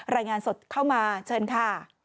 รายงานสดเข้ามาเชิญค่ะ